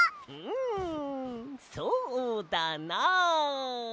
んそうだな。